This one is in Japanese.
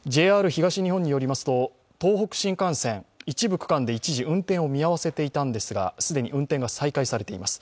ＪＲ東日本によりますと、東北新幹線、一部区間で一時運転を見合わせていたのですが、既に運転を再開させています。